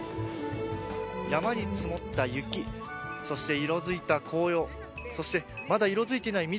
山に積もった雪そして色づいた紅葉そしてまだ色づいていない緑